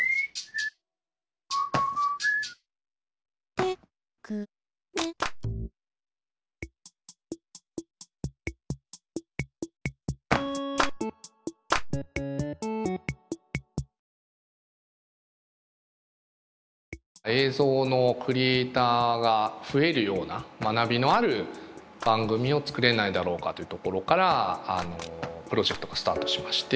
テクネ映像のクリエーターが増えるような学びのある番組を作れないだろうかというところからプロジェクトがスタートしまして。